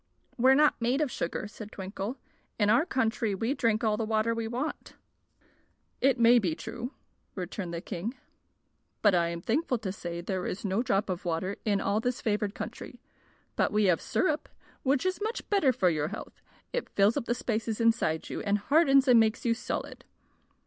"We're not made of sugar," said Twinkle. "In our country we drink all the water we want." "It may be true," returned the king; "but I am thankful to say there is no drop of water in all this favored country. But we have syrup, which is much better for your health. It fills up the spaces inside you, and hardens and makes you solid."